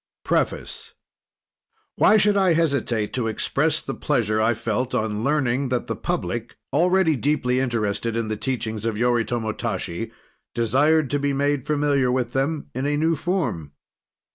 PREFACE Why should I hesitate to express the pleasure I felt on learning that the public, already deeply interested in the teachings of Yoritomo Tashi, desired to be made familiar with them in a new form?